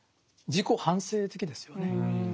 自己反省的ですよね。